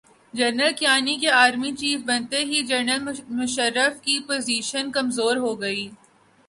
General Kayani کے army chief بنتے ہی جنرل مشرف کی پوزیشن کمزورہوگئی۔